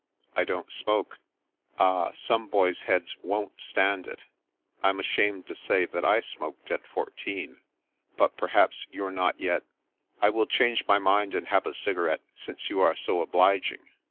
" I don't smoke." "Ah, some boys' heads won't stand it. I'm ashamed to say that I smoked at fourteen. But per haps you're not yet ^"" I will change my mind and have a cigarette, since you are so obliging."